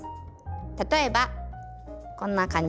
例えばこんな感じ。